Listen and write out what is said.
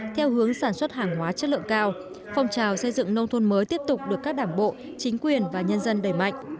theo hướng sản xuất hàng hóa chất lượng cao phong trào xây dựng nông thôn mới tiếp tục được các đảng bộ chính quyền và nhân dân đẩy mạnh